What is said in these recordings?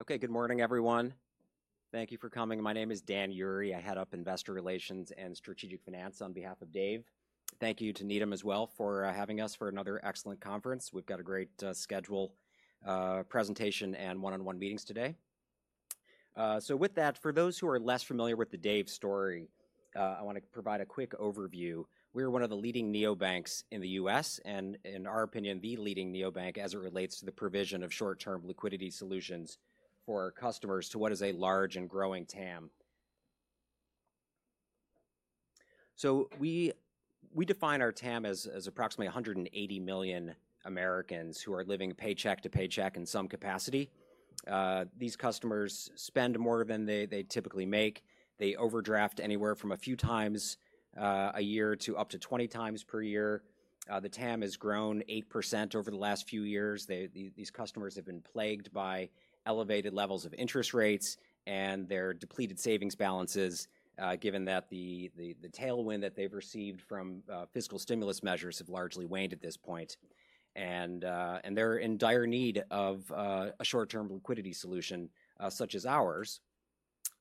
Okay, good morning, everyone. Thank you for coming. My name is Dan Ury. I head up Investor Relations and Strategic Finance on behalf of Dave. Thank you to Needham as well for having us for another excellent conference. We've got a great schedule, presentation, and one-on-one meetings today. So with that, for those who are less familiar with the Dave story, I want to provide a quick overview. We are one of the leading neobanks in the U.S., and in our opinion, the leading neobank as it relates to the provision of short-term liquidity solutions for our customers to what is a large and growing TAM. So we define our TAM as approximately 180 million Americans who are living paycheck to paycheck in some capacity. These customers spend more than they typically make. They overdraft anywhere from a few times a year to up to 20 times per year. The TAM has grown 8% over the last few years. These customers have been plagued by elevated levels of interest rates and their depleted savings balances, given that the tailwind that they've received from fiscal stimulus measures has largely waned at this point. And they're in dire need of a short-term liquidity solution such as ours.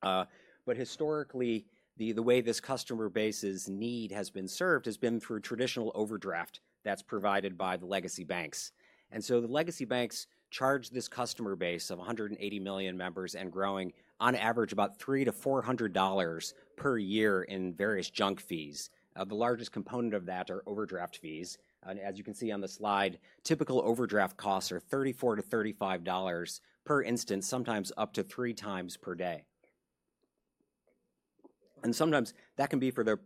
But historically, the way this customer base's need has been served has been through traditional overdraft that's provided by the legacy banks. And so the legacy banks charge this customer base of 180 million members and growing on average about $300-$400 per year in various junk fees. The largest component of that are overdraft fees. And as you can see on the slide, typical overdraft costs are $34-$35 per instance, sometimes up to three times per day. And sometimes that can be for the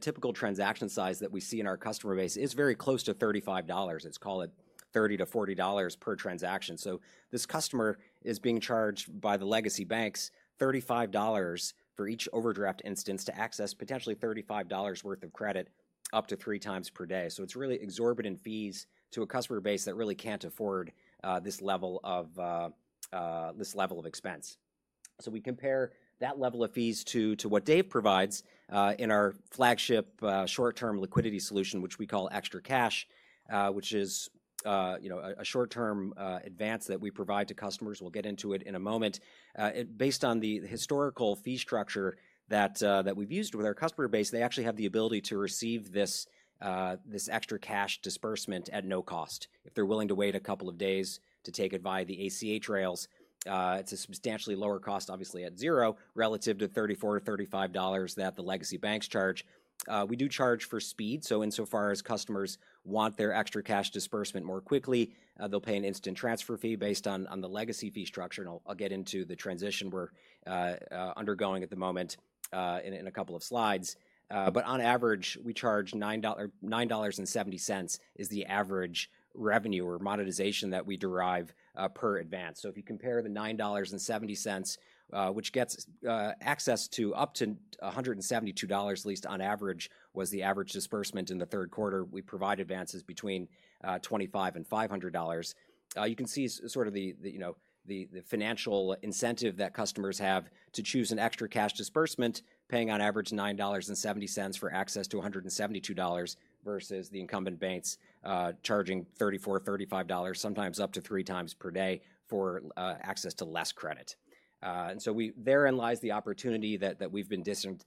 typical transaction size that we see in our customer base is very close to $35. Let's call it $30-$40 per transaction. So this customer is being charged by the legacy banks $35 for each overdraft instance to access potentially $35 worth of credit up to three times per day. So it's really exorbitant fees to a customer base that really can't afford this level of expense. So we compare that level of fees to what Dave provides in our flagship short-term liquidity solution, which we call ExtraCash, which is a short-term advance that we provide to customers. We'll get into it in a moment. Based on the historical fee structure that we've used with our customer base, they actually have the ability to receive this ExtraCash disbursement at no cost if they're willing to wait a couple of days to take it via the ACH rails. It's a substantially lower cost, obviously at zero, relative to $34-$35 that the legacy banks charge. We do charge for speed. So insofar as customers want their ExtraCash disbursement more quickly, they'll pay an instant transfer fee based on the legacy fee structure. And I'll get into the transition we're undergoing at the moment in a couple of slides. But on average, we charge $9.70 is the average revenue or monetization that we derive per advance. So if you compare the $9.70, which gets access to up to $172, at least on average was the average disbursement in the third quarter, we provide advances between $25 and $500. You can see sort of the financial incentive that customers have to choose an ExtraCash disbursement, paying on average $9.70 for access to $172 versus the incumbent banks charging $34, $35, sometimes up to three times per day for access to less credit. And so therein lies the opportunity that we've been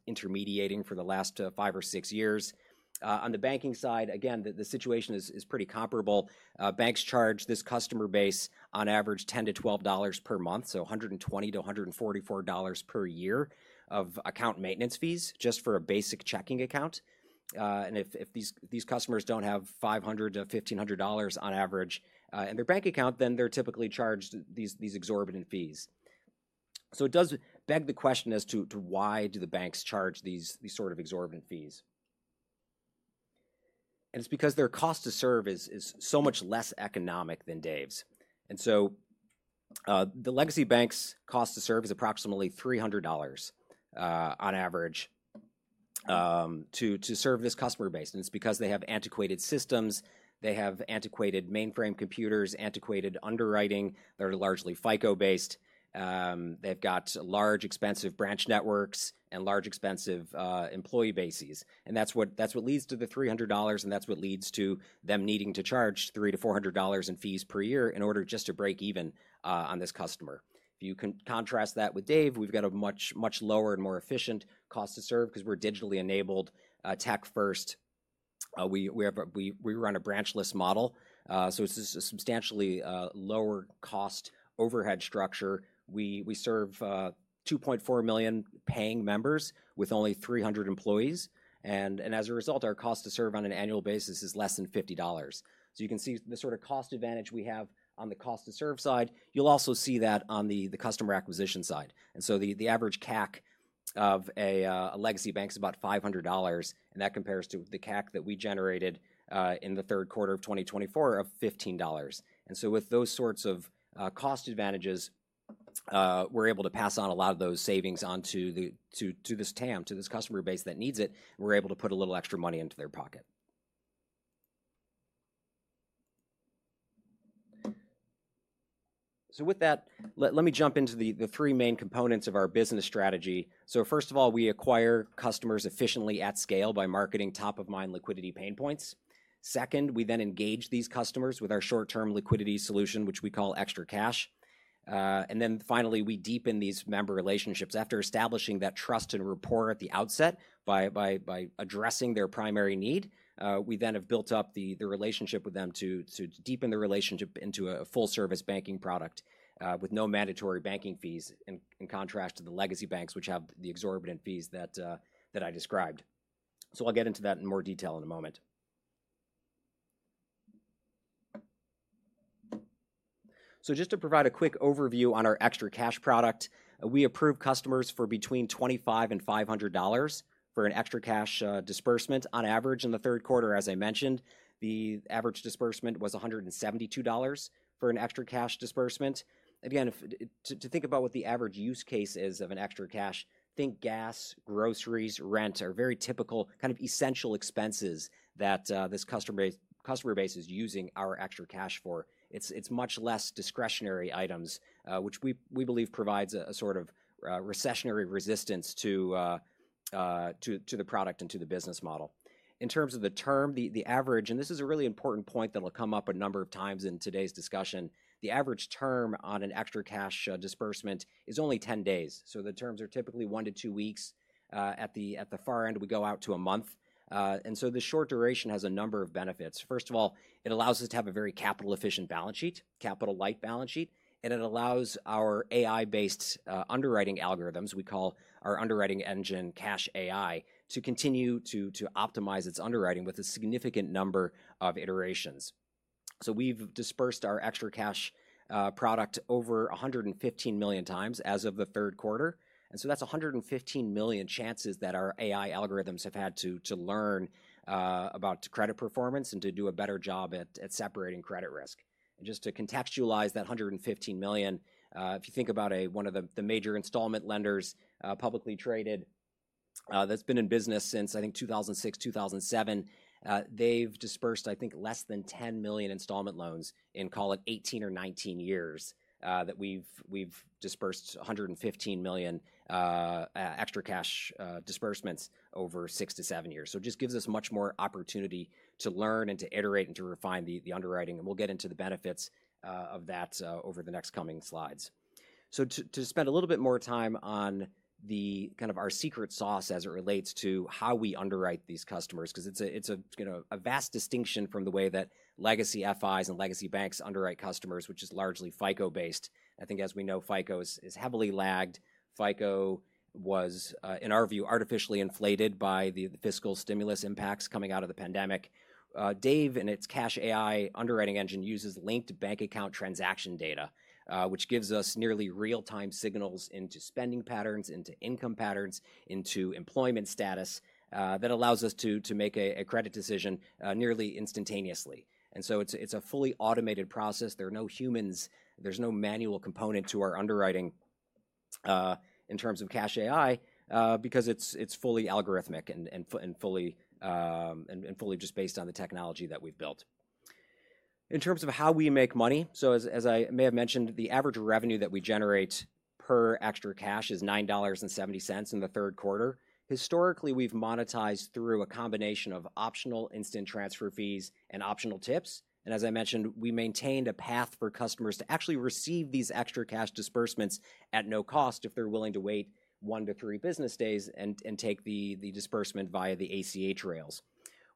intermediating for the last five or six years. On the banking side, again, the situation is pretty comparable. Banks charge this customer base on average $10-$12 per month, so $120-$144 per year of account maintenance fees just for a basic checking account. And if these customers don't have $500-$1,500 on average in their bank account, then they're typically charged these exorbitant fees. So it does beg the question as to why do the banks charge these sort of exorbitant fees? And it's because their cost to serve is so much less economic than Dave's. And so the legacy banks' cost to serve is approximately $300 on average to serve this customer base. And it's because they have antiquated systems. They have antiquated mainframe computers, antiquated underwriting. They're largely FICO-based. They've got large, expensive branch networks and large, expensive employee bases. And that's what leads to the $300, and that's what leads to them needing to charge $300-$400 in fees per year in order just to break even on this customer. If you contrast that with Dave, we've got a much lower and more efficient cost to serve because we're digitally enabled, tech-first. We run a branchless model. So it's a substantially lower cost overhead structure. We serve 2.4 million paying members with only 300 employees. And as a result, our cost to serve on an annual basis is less than $50. So you can see the sort of cost advantage we have on the cost to serve side. You'll also see that on the customer acquisition side. And so the average CAC of a legacy bank is about $500. And that compares to the CAC that we generated in the third quarter of 2024 of $15. And so with those sorts of cost advantages, we're able to pass on a lot of those savings onto this TAM, to this customer base that needs it. We're able to put a little extra money into their pocket. So with that, let me jump into the three main components of our business strategy. So first of all, we acquire customers efficiently at scale by marketing top-of-mind liquidity pain points. Second, we then engage these customers with our short-term liquidity solution, which we call ExtraCash. And then finally, we deepen these member relationships. After establishing that trust and rapport at the outset by addressing their primary need, we then have built up the relationship with them to deepen the relationship into a full-service banking product with no mandatory banking fees in contrast to the legacy banks, which have the exorbitant fees that I described. So I'll get into that in more detail in a moment. So just to provide a quick overview on our ExtraCash product, we approve customers for between $25 and $500 for an ExtraCash disbursement on average in the third quarter. As I mentioned, the average disbursement was $172 for an ExtraCash disbursement. Again, to think about what the average use case is of an ExtraCash, think gas, groceries, rent are very typical kind of essential expenses that this customer base is using our ExtraCash for. It's much less discretionary items, which we believe provides a sort of recessionary resistance to the product and to the business model. In terms of the term, the average, and this is a really important point that will come up a number of times in today's discussion, the average term on an ExtraCash disbursement is only 10 days. So the terms are typically one to two weeks. At the far end, we go out to a month. And so the short duration has a number of benefits. First of all, it allows us to have a very capital-efficient balance sheet, capital-light balance sheet. And it allows our AI-based underwriting algorithms (we call our underwriting engine CashAI) to continue to optimize its underwriting with a significant number of iterations. So we've disbursed our ExtraCash product over 115 million times as of the third quarter. And so that's 115 million chances that our AI algorithms have had to learn about credit performance and to do a better job at separating credit risk. And just to contextualize that 115 million, if you think about one of the major installment lenders publicly traded that's been in business since, I think, 2006, 2007, they've disbursed, I think, less than 10 million installment loans in, call it, 18 or 19 years that we've disbursed 115 million ExtraCash disbursements over six to seven years. So it just gives us much more opportunity to learn and to iterate and to refine the underwriting. And we'll get into the benefits of that over the next coming slides. So to spend a little bit more time on kind of our secret sauce as it relates to how we underwrite these customers, because it's a vast distinction from the way that legacy FIs and legacy banks underwrite customers, which is largely FICO-based. I think, as we know, FICO is heavily lagged. FICO was, in our view, artificially inflated by the fiscal stimulus impacts coming out of the pandemic. Dave and its CashAI underwriting engine uses linked bank account transaction data, which gives us nearly real-time signals into spending patterns, into income patterns, into employment status that allows us to make a credit decision nearly instantaneously. And so it's a fully automated process. There are no humans. There's no manual component to our underwriting in terms of CashAI because it's fully algorithmic and fully just based on the technology that we've built. In terms of how we make money, so as I may have mentioned, the average revenue that we generate per ExtraCash is $9.70 in the third quarter. Historically, we've monetized through a combination of optional instant transfer fees and optional tips. And as I mentioned, we maintained a path for customers to actually receive these ExtraCash disbursements at no cost if they're willing to wait one to three business days and take the disbursement via the ACH rails.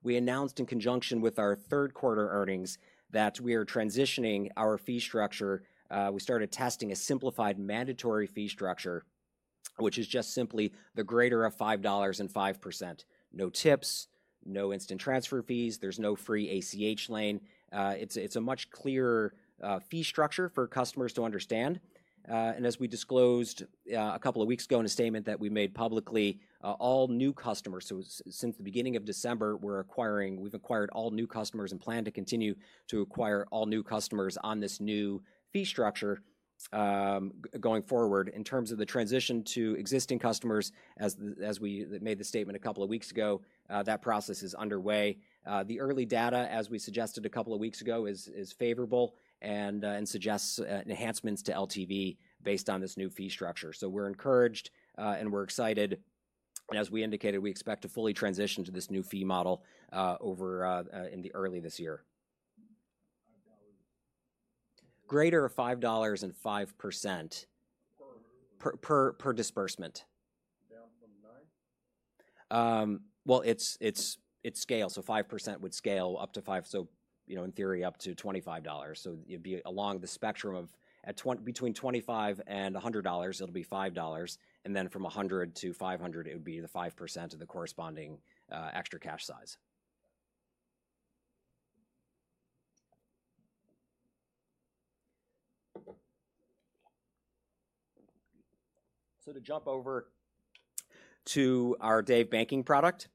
We announced in conjunction with our third quarter earnings that we are transitioning our fee structure. We started testing a simplified mandatory fee structure, which is just simply the greater of $5 or 5%. No tips, no instant transfer fees. There's no free ACH lane. It's a much clearer fee structure for customers to understand. And as we disclosed a couple of weeks ago in a statement that we made publicly, all new customers, so since the beginning of December, we've acquired all new customers and plan to continue to acquire all new customers on this new fee structure going forward. In terms of the transition to existing customers, as we made the statement a couple of weeks ago, that process is underway. The early data, as we suggested a couple of weeks ago, is favorable and suggests enhancements to LTV based on this new fee structure. So we're encouraged and we're excited. And as we indicated, we expect to fully transition to this new fee model in early this year. Greater of $5 or 5% per disbursement. Well, it's scale. So 5% would scale up to $5, so in theory, up to $25. So it'd be along the spectrum of between $25 and $100, it'll be $5. And then from $100-$500, it would be the 5% of the corresponding ExtraCash size. So to jump over to our Dave Banking product.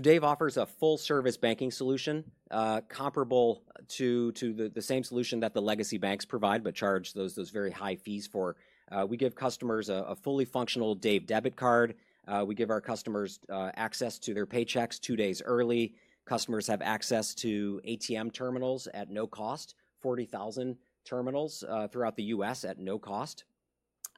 Dave offers a full-service banking solution comparable to the same solution that the legacy banks provide but charge those very high fees for. We give customers a fully functional Dave debit card. We give our customers access to their paychecks two days early. Customers have access to ATM terminals at no cost, 40,000 terminals throughout the U.S. at no cost.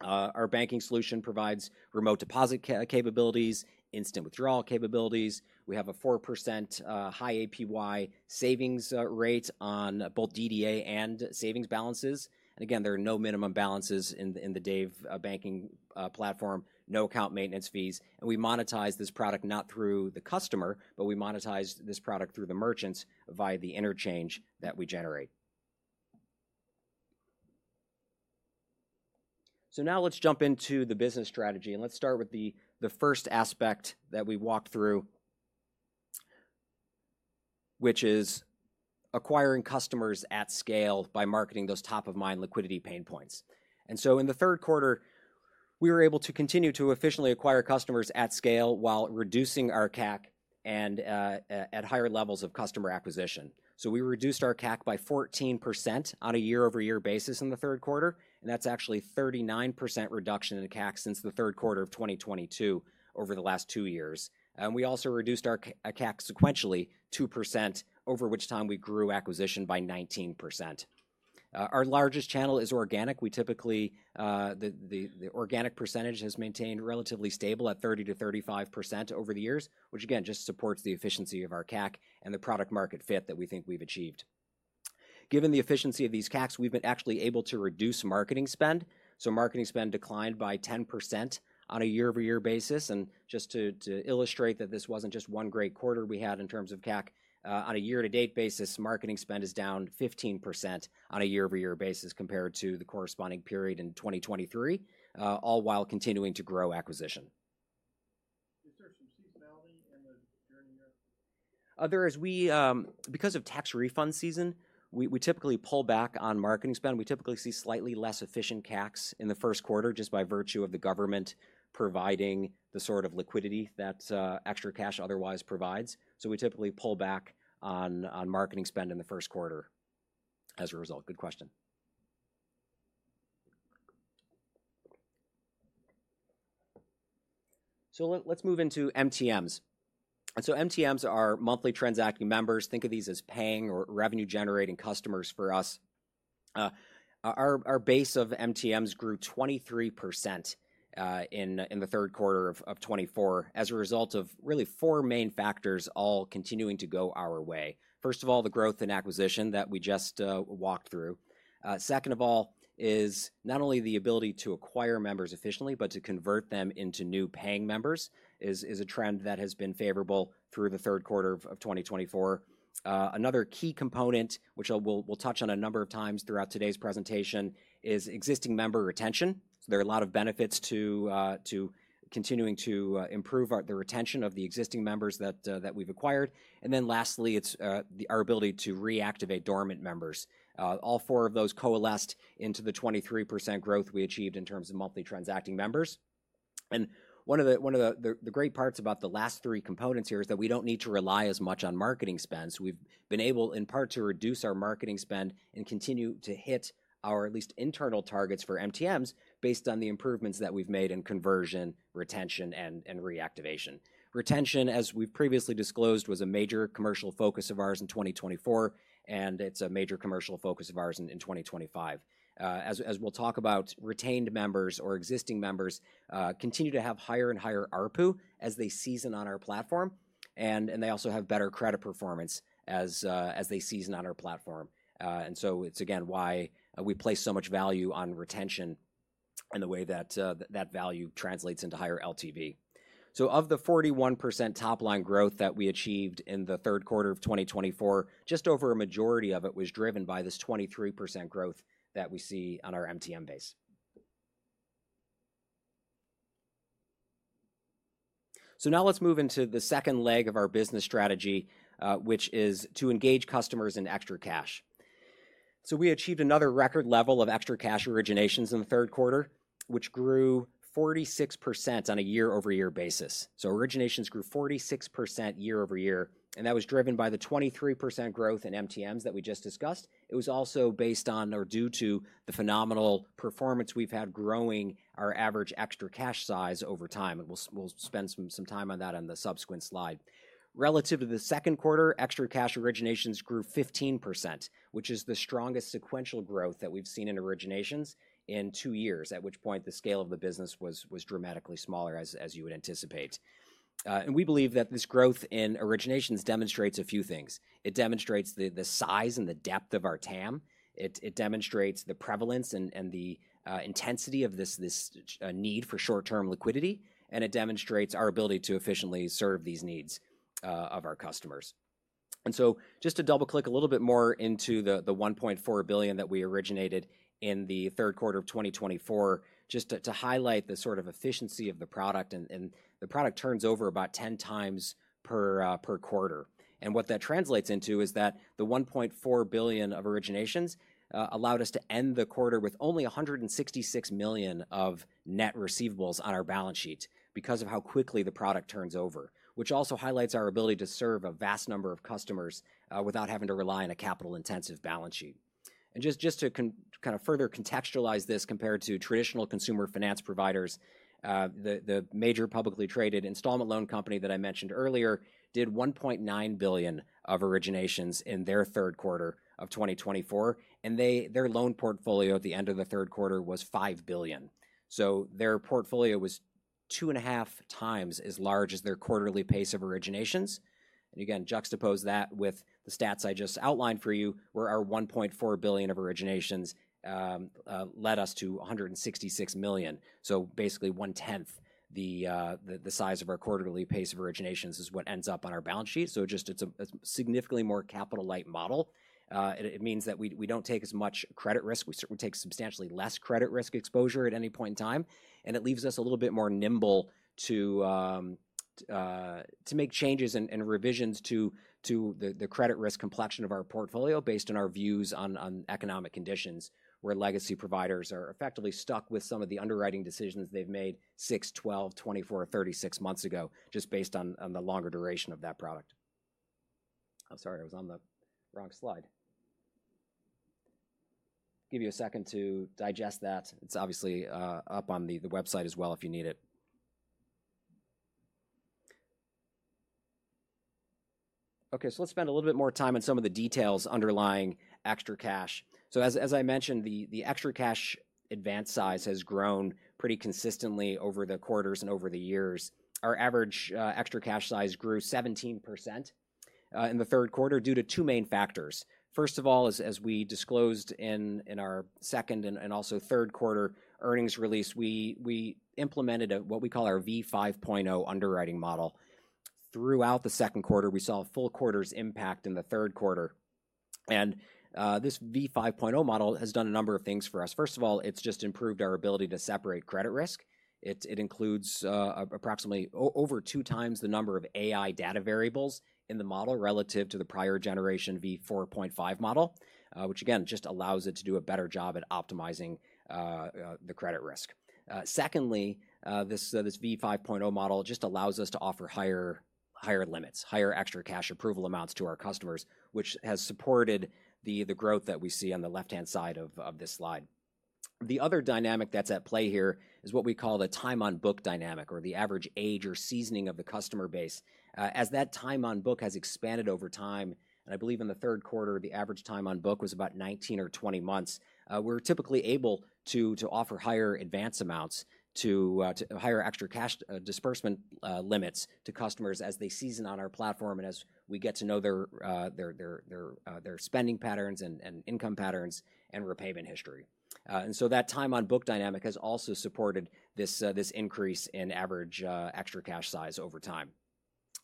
Our banking solution provides remote deposit capabilities, instant withdrawal capabilities. We have a 4% high APY savings rate on both DDA and savings balances. Again, there are no minimum balances in the Dave Banking platform, no account maintenance fees. We monetize this product not through the customer, but we monetize this product through the merchants via the interchange that we generate. Now let's jump into the business strategy. And let's start with the first aspect that we walked through, which is acquiring customers at scale by marketing those top-of-mind liquidity pain points. And so in the third quarter, we were able to continue to efficiently acquire customers at scale while reducing our CAC and at higher levels of customer acquisition. So we reduced our CAC by 14% on a year-over-year basis in the third quarter. And that's actually a 39% reduction in CAC since the third quarter of 2022 over the last two years. And we also reduced our CAC sequentially 2%, over which time we grew acquisition by 19%. Our largest channel is organic. We typically, the organic percentage has maintained relatively stable at 30%-35% over the years, which, again, just supports the efficiency of our CAC and the product-market fit that we think we've achieved. Given the efficiency of these CACs, we've been actually able to reduce marketing spend. So marketing spend declined by 10% on a year-over-year basis. And just to illustrate that this wasn't just one great quarter we had in terms of CAC, on a year-to-date basis, marketing spend is down 15% on a year-over-year basis compared to the corresponding period in 2023, all while continuing to grow acquisition. Is there some seasonality in the journey here? Because of tax refund season, we typically pull back on marketing spend. We typically see slightly less efficient CACs in the first quarter just by virtue of the government providing the sort of liquidity that ExtraCash otherwise provides. So we typically pull back on marketing spend in the first quarter as a result. Good question. So let's move into MTMs. And so MTMs are Monthly Transacting Members. Think of these as paying or revenue-generating customers for us. Our base of MTMs grew 23% in the third quarter of 2024 as a result of really four main factors all continuing to go our way. First of all, the growth in acquisition that we just walked through. Second of all is not only the ability to acquire members efficiently, but to convert them into new paying members is a trend that has been favorable through the third quarter of 2024. Another key component, which we'll touch on a number of times throughout today's presentation, is existing member retention. There are a lot of benefits to continuing to improve the retention of the existing members that we've acquired. And then lastly, it is our ability to reactivate dormant members. All four of those coalesced into the 23% growth we achieved in terms of monthly transacting members. One of the great parts about the last three components here is that we don't need to rely as much on marketing spend. So we've been able, in part, to reduce our marketing spend and continue to hit our at least internal targets for MTMs based on the improvements that we've made in conversion, retention, and reactivation. Retention, as we've previously disclosed, was a major commercial focus of ours in 2024. It's a major commercial focus of ours in 2025. As we'll talk about, retained members or existing members continue to have higher and higher ARPU as they season on our platform. They also have better credit performance as they season on our platform. So it's, again, why we place so much value on retention and the way that that value translates into higher LTV. Of the 41% top-line growth that we achieved in the third quarter of 2024, just over a majority of it was driven by this 23% growth that we see on our MTM base. Now let's move into the second leg of our business strategy, which is to engage customers in ExtraCash. We achieved another record level of ExtraCash originations in the third quarter, which grew 46% on a year-over-year basis. Originations grew 46% year-over-year. That was driven by the 23% growth in MTMs that we just discussed. It was also based on or due to the phenomenal performance we've had growing our average ExtraCash size over time. We'll spend some time on that on the subsequent slide. Relative to the second quarter, ExtraCash originations grew 15%, which is the strongest sequential growth that we've seen in originations in two years, at which point the scale of the business was dramatically smaller, as you would anticipate. And we believe that this growth in originations demonstrates a few things. It demonstrates the size and the depth of our TAM. It demonstrates the prevalence and the intensity of this need for short-term liquidity. And it demonstrates our ability to efficiently serve these needs of our customers. And so just to double-click a little bit more into the $1.4 billion that we originated in the third quarter of 2024, just to highlight the sort of efficiency of the product. And the product turns over about 10 times per quarter. What that translates into is that the $1.4 billion of originations allowed us to end the quarter with only $166 million of net receivables on our balance sheet because of how quickly the product turns over, which also highlights our ability to serve a vast number of customers without having to rely on a capital-intensive balance sheet. Just to kind of further contextualize this compared to traditional consumer finance providers, the major publicly traded installment loan company that I mentioned earlier did $1.9 billion of originations in their third quarter of 2024. Their loan portfolio at the end of the third quarter was $5 billion. So their portfolio was 2.5x as large as their quarterly pace of originations. Again, juxtapose that with the stats I just outlined for you, where our $1.4 billion of originations led us to $166 million. So basically 1/10 the size of our quarterly pace of originations is what ends up on our balance sheet. So just it's a significantly more capital-light model. It means that we don't take as much credit risk. We certainly take substantially less credit risk exposure at any point in time. And it leaves us a little bit more nimble to make changes and revisions to the credit risk complexion of our portfolio based on our views on economic conditions, where legacy providers are effectively stuck with some of the underwriting decisions they've made six, 12, 24, or 36 months ago, just based on the longer duration of that product. I'm sorry, I was on the wrong slide. Give you a second to digest that. It's obviously up on the website as well if you need it. Okay. So let's spend a little bit more time on some of the details underlying ExtraCash. So as I mentioned, the ExtraCash advance size has grown pretty consistently over the quarters and over the years. Our average ExtraCash size grew 17% in the third quarter due to two main factors. First of all, as we disclosed in our second and also third quarter earnings release, we implemented what we call our v5.0 underwriting model. Throughout the second quarter, we saw a full quarter's impact in the third quarter. And this v5.0 model has done a number of things for us. First of all, it's just improved our ability to separate credit risk. It includes approximately over 2x the number of AI data variables in the model relative to the prior generation v4.5 model, which, again, just allows it to do a better job at optimizing the credit risk. Secondly, this v5.0 model just allows us to offer higher limits, higher ExtraCash approval amounts to our customers, which has supported the growth that we see on the left-hand side of this slide. The other dynamic that's at play here is what we call the time-on-book dynamic or the average age or seasoning of the customer base. As that time-on-book has expanded over time, and I believe in the third quarter, the average time-on-book was about 19 or 20 months, we're typically able to offer higher advance amounts to higher ExtraCash disbursement limits to customers as they season on our platform and as we get to know their spending patterns and income patterns and repayment history. And so that time-on-book dynamic has also supported this increase in average ExtraCash size over time.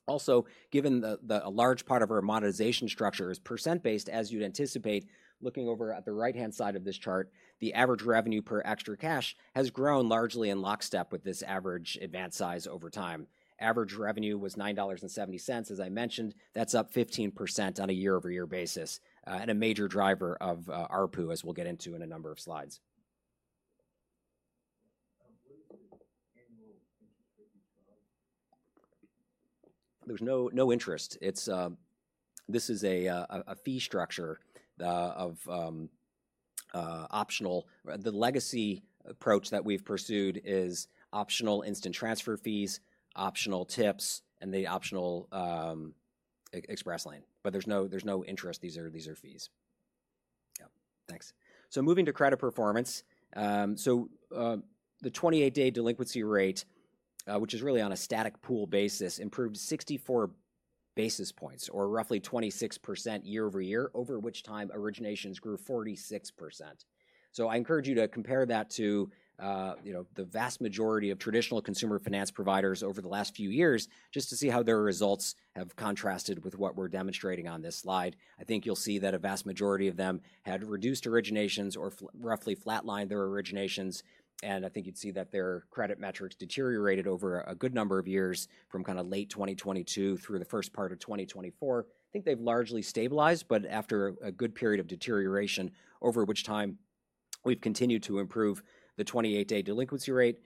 Also, given that a large part of our monetization structure is percent-based, as you'd anticipate, looking over at the right-hand side of this chart, the average revenue per ExtraCash has grown largely in lockstep with this average advance size over time. Average revenue was $9.70. As I mentioned, that's up 15% on a year-over-year basis and a major driver of ARPU, as we'll get into in a number of slides. There's no interest. This is a fee structure of optional. The legacy approach that we've pursued is optional instant transfer fees, optional tips, and the optional express lane. But there's no interest. These are fees. Yeah. Thanks, so moving to credit performance, so the 28-day delinquency rate, which is really on a static pool basis, improved 64 basis points or roughly 26% year-over-year, over which time originations grew 46%. I encourage you to compare that to the vast majority of traditional consumer finance providers over the last few years just to see how their results have contrasted with what we're demonstrating on this slide. I think you'll see that a vast majority of them had reduced originations or roughly flatlined their originations, and I think you'd see that their credit metrics deteriorated over a good number of years from kind of late 2022 through the first part of 2024. I think they've largely stabilized, but after a good period of deterioration, over which time we've continued to improve the 28-day delinquency rate,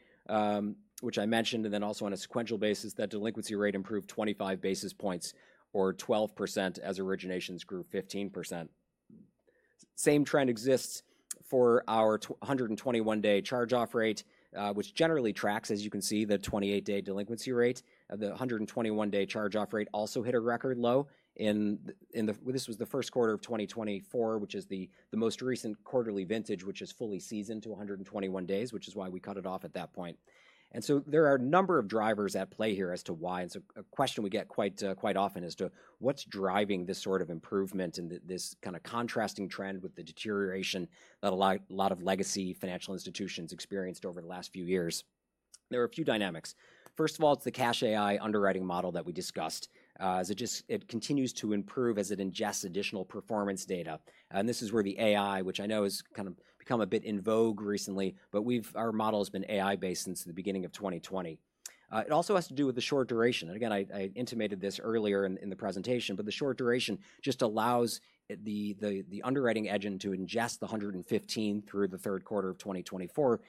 which I mentioned, and then also on a sequential basis, that delinquency rate improved 25 basis points or 12% as originations grew 15%. Same trend exists for our 121-day charge-off rate, which generally tracks, as you can see, the 28-day delinquency rate. The 121-day charge-off rate also hit a record low in this was the first quarter of 2024, which is the most recent quarterly vintage, which is fully seasoned to 121 days, which is why we cut it off at that point, and so there are a number of drivers at play here as to why. And so a question we get quite often is to what's driving this sort of improvement and this kind of contrasting trend with the deterioration that a lot of legacy financial institutions experienced over the last few years. There are a few dynamics. First of all, it's the CashAI underwriting model that we discussed. It continues to improve as it ingests additional performance data. And this is where the AI, which I know has kind of become a bit in vogue recently, but our model has been AI-based since the beginning of 2020. It also has to do with the short duration. And again, I intimated this earlier in the presentation, but the short duration just allows the underwriting engine to ingest the 115 through the third quarter of 2024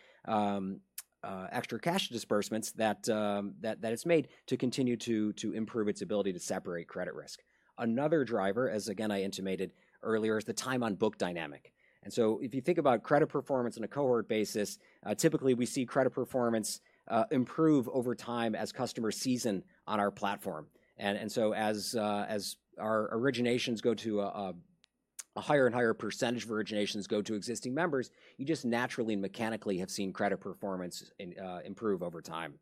ExtraCash disbursements that it's made to continue to improve its ability to separate credit risk. Another driver, as again I intimated earlier, is the time-on-book dynamic. And so if you think about credit performance on a cohort basis, typically we see credit performance improve over time as customers season on our platform. And so as our originations go to a higher and higher percentage of originations to existing members, you just naturally and mechanically have seen credit performance improve over time.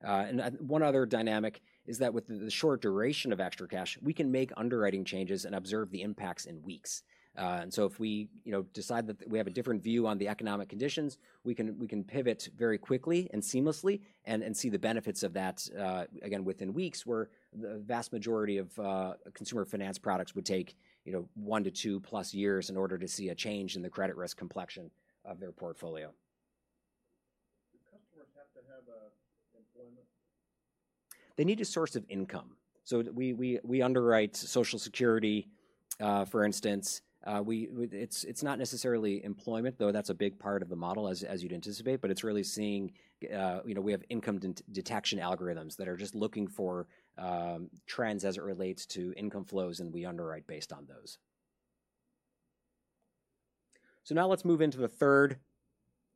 And one other dynamic is that with the short duration of ExtraCash, we can make underwriting changes and observe the impacts in weeks. And so if we decide that we have a different view on the economic conditions, we can pivot very quickly and seamlessly and see the benefits of that, again, within weeks, where the vast majority of consumer finance products would take one to 2+ years in order to see a change in the credit risk complexion of their portfolio. Do customers have to have employment? They need a source of income, so we underwrite Social Security, for instance. It's not necessarily employment, though that's a big part of the model, as you'd anticipate, but it's really seeing we have income detection algorithms that are just looking for trends as it relates to income flows, and we underwrite based on those. Now let's move into the third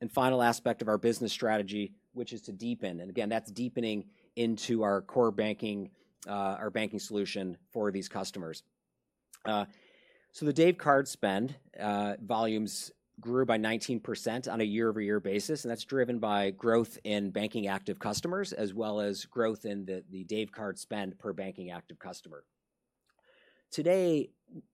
and final aspect of our business strategy, which is to deepen, and again, that's deepening into our core banking solution for these customers. The Dave Card spend volumes grew by 19% on a year-over-year basis, and that's driven by growth in banking active customers as well as growth in the Dave Card spend per banking active customer. Today,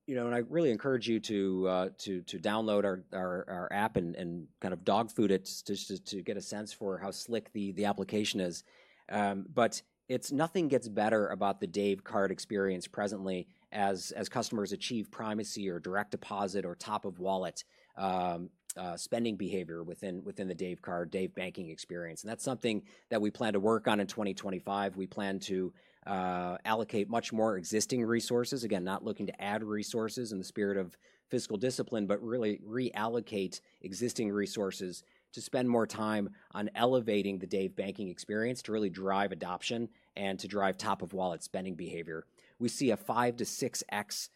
and I really encourage you to download our app and kind of dogfood it to get a sense for how slick the application is. But nothing gets better about the Dave Card experience presently as customers achieve primacy or direct deposit or top-of-wallet spending behavior within the Dave Card, Dave Banking experience. And that's something that we plan to work on in 2025. We plan to allocate much more existing resources, again, not looking to add resources in the spirit of fiscal discipline, but really reallocate existing resources to spend more time on elevating the Dave Banking experience to really drive adoption and to drive top-of-wallet spending behavior. We see a 5x-6x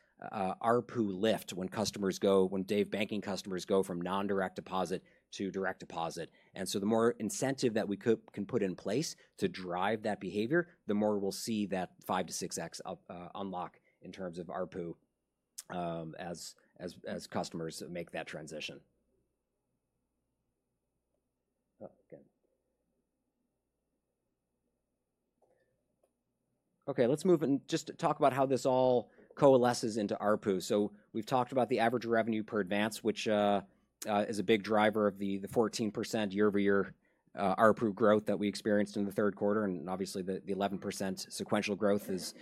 ARPU lift when Dave Banking customers go from non-direct deposit to direct deposit. And so the more incentive that we can put in place to drive that behavior, the more we'll see that 5x-6x unlock in terms of ARPU as customers make that transition. Okay. Let's move and just talk about how this all coalesces into ARPU. So we've talked about the average revenue per advance, which is a big driver of the 14% year-over-year ARPU growth that we experienced in the third quarter. And obviously, the 11% sequential growth is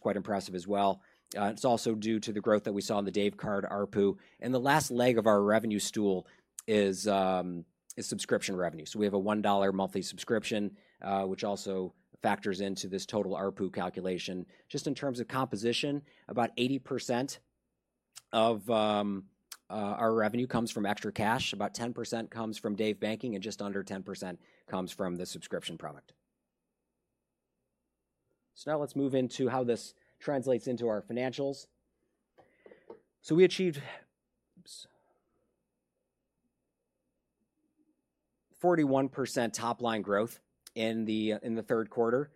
quite impressive as well. It's also due to the growth that we saw in the Dave Card ARPU. And the last leg of our revenue stool is subscription revenue. So we have a $1 monthly subscription, which also factors into this total ARPU calculation. Just in terms of composition, about 80% of our revenue comes from ExtraCash, about 10% comes from Dave Banking, and just under 10% comes from the subscription product. So now let's move into how this translates into our financials. So we achieved 41% top-line growth in the third quarter.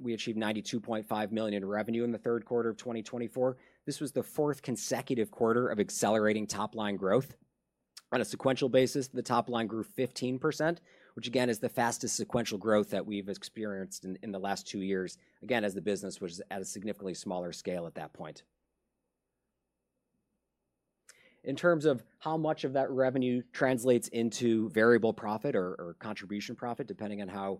We achieved $92.5 million in revenue in the third quarter of 2024. This was the fourth consecutive quarter of accelerating top-line growth. On a sequential basis, the top-line grew 15%, which again is the fastest sequential growth that we've experienced in the last two years, again, as the business was at a significantly smaller scale at that point. In terms of how much of that revenue translates into variable profit or contribution profit, depending on how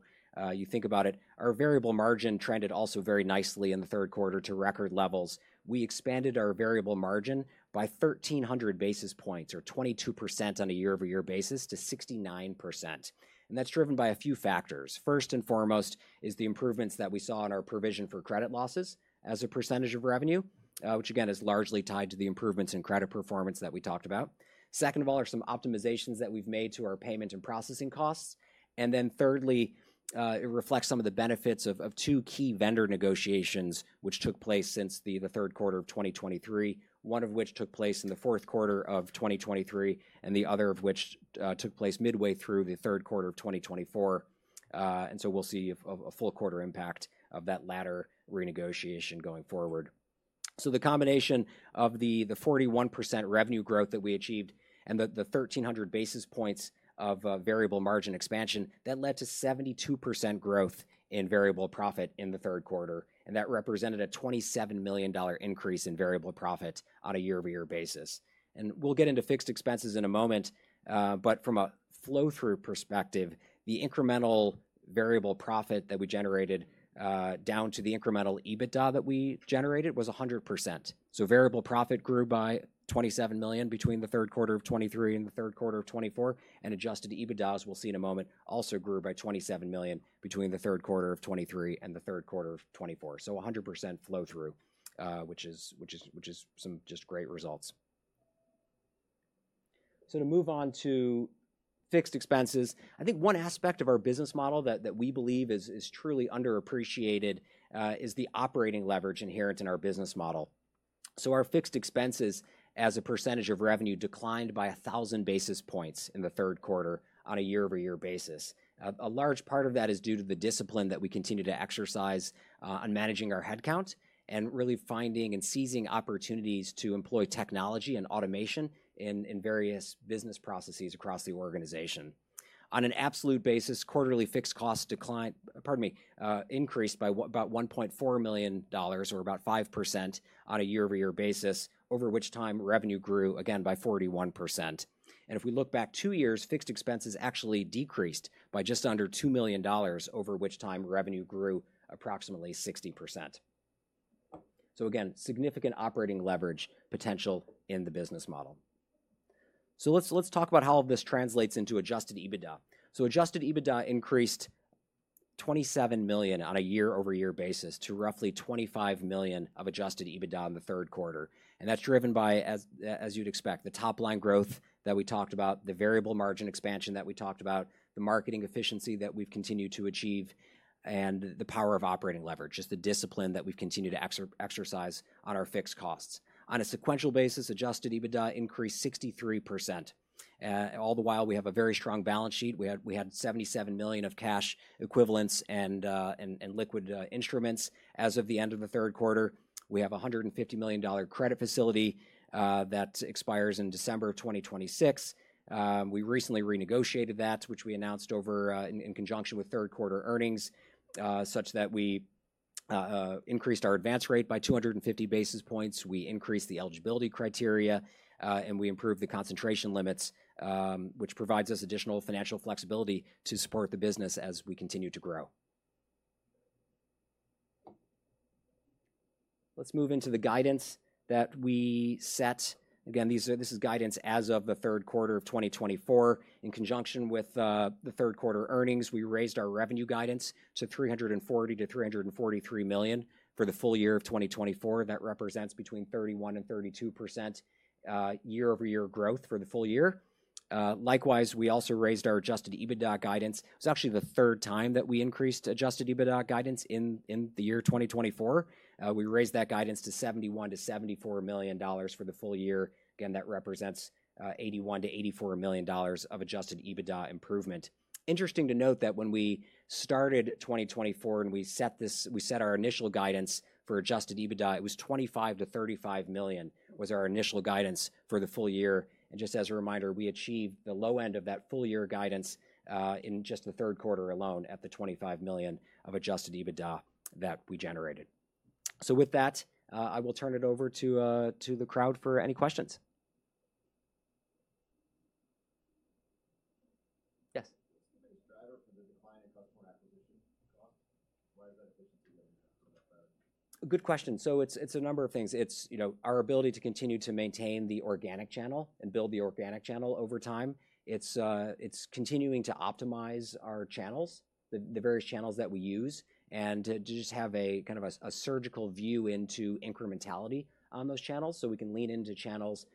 you think about it, our variable margin trended also very nicely in the third quarter to record levels. We expanded our variable margin by 1,300 basis points or 22% on a year-over-year basis to 69%, and that's driven by a few factors. First and foremost is the improvements that we saw in our provision for credit losses as a percentage of revenue, which again is largely tied to the improvements in credit performance that we talked about. Second of all are some optimizations that we've made to our payment and processing costs, and then thirdly, it reflects some of the benefits of two key vendor negotiations, which took place since the third quarter of 2023, one of which took place in the fourth quarter of 2023, and the other of which took place midway through the third quarter of 2024, and so we'll see a full quarter impact of that latter renegotiation going forward. The combination of the 41% revenue growth that we achieved and the 1,300 basis points of variable margin expansion, that led to 72% growth in variable profit in the third quarter. And that represented a $27 million increase in variable profit on a year-over-year basis. And we'll get into fixed expenses in a moment. But from a flow-through perspective, the incremental variable profit that we generated down to the incremental EBITDA that we generated was 100%. So variable profit grew by $27 million between the third quarter of 2023 and the third quarter of 2024. And adjusted EBITDA as we'll see in a moment, also grew by $27 million between the third quarter of 2023 and the third quarter of 2024. So 100% flow-through, which is some just great results. To move on to fixed expenses, I think one aspect of our business model that we believe is truly underappreciated is the operating leverage inherent in our business model. Our fixed expenses as a percentage of revenue declined by 1,000 basis points in the third quarter on a year-over-year basis. A large part of that is due to the discipline that we continue to exercise on managing our headcount and really finding and seizing opportunities to employ technology and automation in various business processes across the organization. On an absolute basis, quarterly fixed costs declined, pardon me, increased by about $1.4 million or about 5% on a year-over-year basis, over which time revenue grew again by 41%. And if we look back two years, fixed expenses actually decreased by just under $2 million, over which time revenue grew approximately 60%. So again, significant operating leverage potential in the business model. Let's talk about how this translates into adjusted EBITDA. Adjusted EBITDA increased $27 million on a year-over-year basis to roughly $25 million of adjusted EBITDA in the third quarter. That's driven by, as you'd expect, the top-line growth that we talked about, the variable margin expansion that we talked about, the marketing efficiency that we've continued to achieve, and the power of operating leverage, just the discipline that we've continued to exercise on our fixed costs. On a sequential basis, adjusted EBITDA increased 63%. All the while, we have a very strong balance sheet. We had $77 million of cash equivalents and liquid instruments. As of the end of the third quarter, we have a $150 million credit facility that expires in December 2026. We recently renegotiated that, which we announced in conjunction with third quarter earnings, such that we increased our advance rate by 250 basis points. We increased the eligibility criteria, and we improved the concentration limits, which provides us additional financial flexibility to support the business as we continue to grow. Let's move into the guidance that we set. Again, this is guidance as of the third quarter of 2024. In conjunction with the third quarter earnings, we raised our revenue guidance to $340 million-$343 million for the full year of 2024. That represents between 31% and 32% year-over-year growth for the full year. Likewise, we also raised our adjusted EBITDA guidance. It was actually the third time that we increased adjusted EBITDA guidance in the year 2024. We raised that guidance to $71 million-$74 million for the full year. Again, that represents $81 million-$84 million of adjusted EBITDA improvement. Interesting to note that when we started 2024 and we set our initial guidance for adjusted EBITDA, it was $25 million-$35 million was our initial guidance for the full year. And just as a reminder, we achieved the low end of that full year guidance in just the third quarter alone at the $25 million of adjusted EBITDA that we generated. So with that, I will turn it over to the crowd for any questions. Yes. What's the biggest driver for the decline in customer acquisition costs? Why is that efficiency getting much better? Good question. So it's a number of things. It's our ability to continue to maintain the organic channel and build the organic channel over time. It's continuing to optimize our channels, the various channels that we use, and to just have a kind of a surgical view into incrementality on those channels so we can lean into channels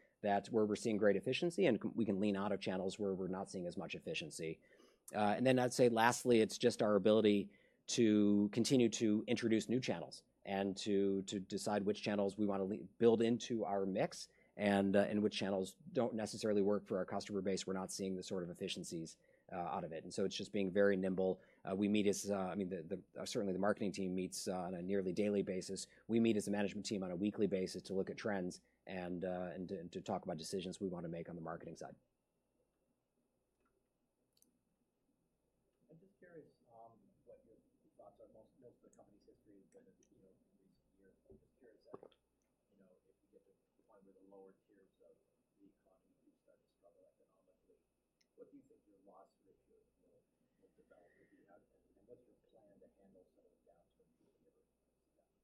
where we're seeing great efficiency and we can lean out of channels where we're not seeing as much efficiency. And then I'd say lastly, it's just our ability to continue to introduce new channels and to decide which channels we want to build into our mix and which channels don't necessarily work for our customer base. We're not seeing the sort of efficiencies out of it. And so it's just being very nimble. I mean, certainly the marketing team meets on a nearly daily basis. We meet as a management team on a weekly basis to look at trends and to talk about decisions we want to make on the marketing side.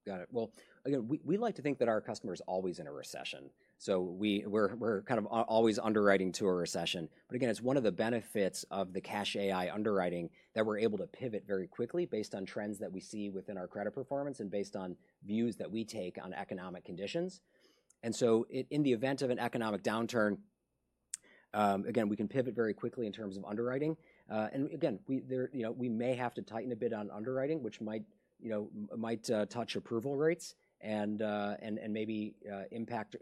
I'm just curious if you get to the point where the lower tiers of the economy start to struggle economically, what do you think your loss ratios will develop? And what's your plan to handle some of the downturn? Got it. Well, again, we like to think that our customer is always in a recession. So we're kind of always underwriting to a recession. But again, it's one of the benefits of the CashAI underwriting that we're able to pivot very quickly based on trends that we see within our credit performance and based on views that we take on economic conditions. And so in the event of an economic downturn, again, we can pivot very quickly in terms of underwriting. And again, we may have to tighten a bit on underwriting, which might touch approval rates and maybe impact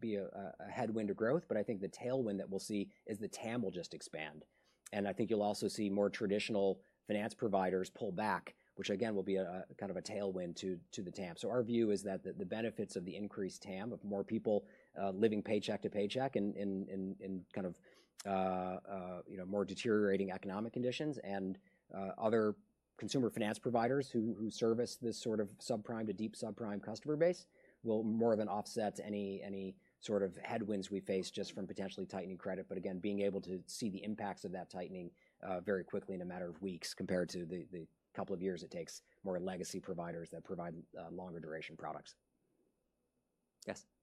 be a headwind to growth. But I think the tailwind that we'll see is the TAM will just expand. And I think you'll also see more traditional finance providers pull back, which again will be kind of a tailwind to the TAM. So our view is that the benefits of the increased TAM, of more people living paycheck to paycheck in kind of more deteriorating economic conditions and other consumer finance providers who service this sort of subprime to deep subprime customer base will more of an offset any sort of headwinds we face just from potentially tightening credit. But again, being able to see the impacts of that tightening very quickly in a matter of weeks compared to the couple of years it takes more legacy providers that provide longer duration products. Yes. You spoke about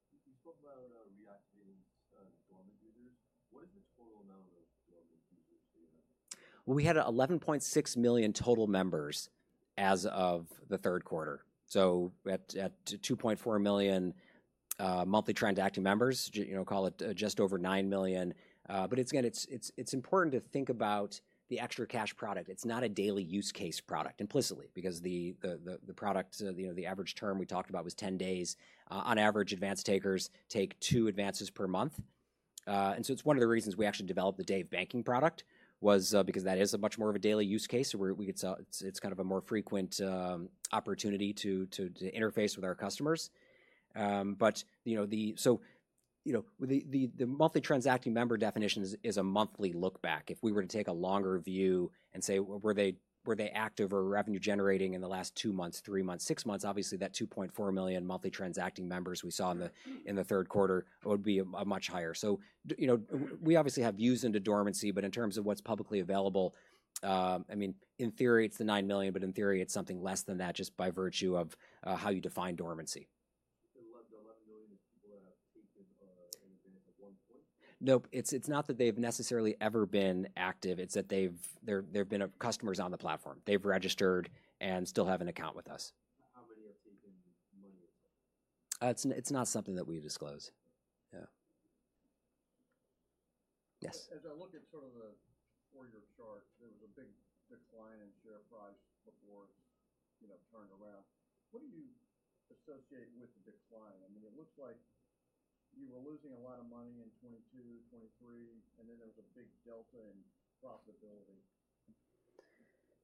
reactivating dormant users. What is the total amount of dormant users that you have? Well, we had 11.6 million total members as of the third quarter. So at 2.4 million monthly transacting members, call it just over 9 million. But again, it's important to think about the ExtraCash product. It's not a daily use case product implicitly because the product, the average term we talked about was 10 days. On average, advance takers take two advances per month. And so it's one of the reasons we actually developed the Dave Banking product was because that is much more of a daily use case. It's kind of a more frequent opportunity to interface with our customers, but so the monthly transacting member definition is a monthly look back. If we were to take a longer view and say, were they active or revenue generating in the last two months, three months, six months, obviously that 2.4 million monthly transacting members we saw in the third quarter would be much higher, so we obviously have views into dormancy, but in terms of what's publicly available, I mean, in theory, it's the 9 million, but in theory, it's something less than that just by virtue of how you define dormancy. The 11 million people that have taken advantage at one point? Nope. It's not that they've necessarily ever been active. It's that there have been customers on the platform. They've registered and still have an account with us. How many have taken money? It's not something that we disclose. Yeah. Yes. As I look at sort of the four-year chart, there was a big decline in share price before it turned around. What do you associate with the decline? I mean, it looks like you were losing a lot of money in 2022, 2023, and then there was a big delta in profitability.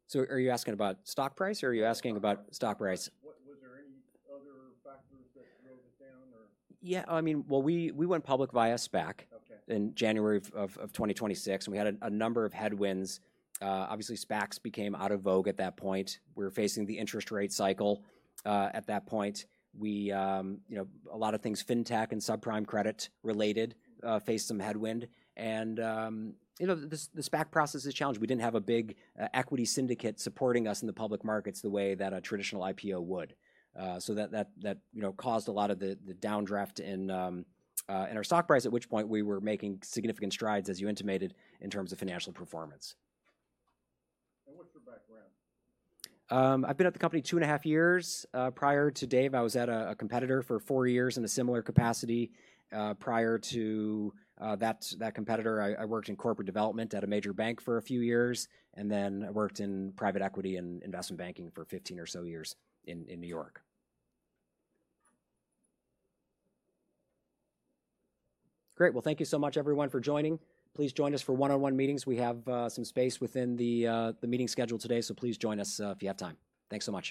So are you asking about stock price or are you asking about stock price? Was there any other factors that drove it down or? Yeah. I mean, well, we went public via SPAC in January of 2022. We had a number of headwinds. Obviously, SPACs became out of vogue at that point. We were facing the interest rate cycle at that point. A lot of things fintech and subprime credit related faced some headwind. And the SPAC process is challenged. We didn't have a big equity syndicate supporting us in the public markets the way that a traditional IPO would. So that caused a lot of the downdraft in our stock price, at which point we were making significant strides, as you intimated, in terms of financial performance. And what's your background? I've been at the company two and a half years. Prior to Dave, I was at a competitor for four years in a similar capacity. Prior to that competitor, I worked in corporate development at a major bank for a few years, and then I worked in private equity and investment banking for 15 or so years in New York. Great. Well, thank you so much, everyone, for joining. Please join us for one-on-one meetings. We have some space within the meeting schedule today, so please join us if you have time. Thanks so much.